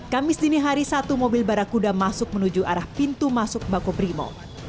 kamis dini hari satu mobil barakuda masuk menuju arah pintu masuk makobrimo